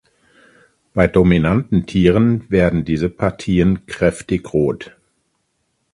Bei dominanten Tieren werden diese Partien kräftig rot.